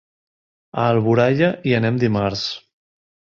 A Alboraia hi anem dimarts.